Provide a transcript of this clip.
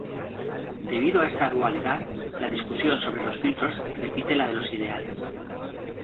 Debido a esta dualidad la discusión sobre los filtros repite la de los ideales.